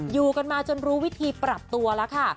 อยู่กันมาจนรู้วิธีปรับตัวแล้วค่ะ